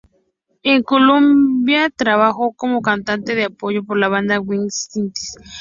En Columbia trabajó como cantante de apoyo para la banda Windy City Cowboys.